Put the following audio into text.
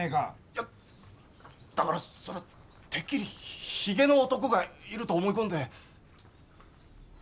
いやだからそれはてっきりひげの男がいると思い込んで。